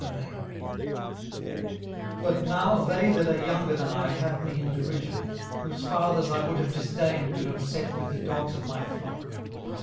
18:030:001 But now they that are younger than I have me in derision, whose fathers I would have disdained to have set with the dogs of my flock.